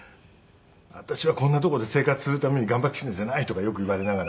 「私はこんな所で生活するために頑張ってきたんじゃない」とかよく言われながら。